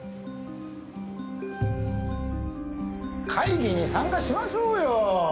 会議に参加しましょうよ！